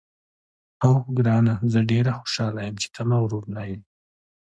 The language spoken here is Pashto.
اوه ګرانه، زه ډېره خوشاله یم چې ته مغرور نه یې.